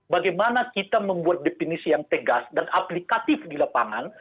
bagaimana kita membuat definisi yang tegas dan aplikatif di lapangan